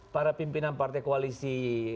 para pimpinan partai koalisi